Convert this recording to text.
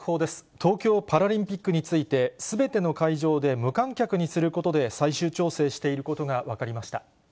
東京パラリンピックについて、すべての会場で無観客にすることで最終調整していることが分かりました。